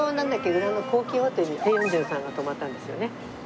裏の高級ホテルにペ・ヨンジュンさんが泊まったんですよね。